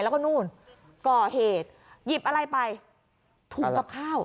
แล้วก็นู่นก่อเหตุหยิบอะไรไปถูกกับข้าว